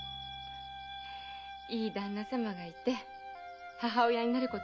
いい旦那様がいて母親になることもできて。